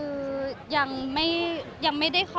มันเป็นปัญหาจัดการอะไรครับ